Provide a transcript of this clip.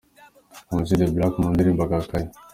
Amag The Black mu ndirimbo “Agakayi”.